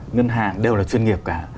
ngân hàng đều là chuyên nghiệp cả